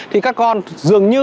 thì các con dường như là